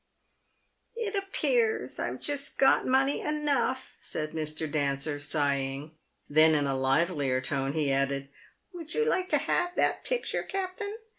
" It appears I've just got money enough," said Mr. Dancer, sigh ing. Then, in a livelier tone, he added, " "Would you like to have that picture, captain